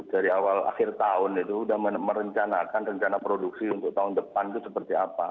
dari awal akhir tahun itu sudah merencanakan rencana produksi untuk tahun depan itu seperti apa